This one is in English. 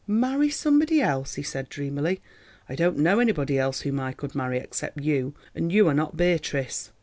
"Marry somebody else," he said dreamily; "I don't know anybody else whom I could marry except you, and you are not Beatrice."